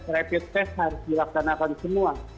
rapid test harus dilaksanakan semua